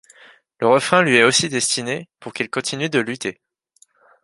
Le refrain lui est aussi destiné, pour qu'il continue de lutter.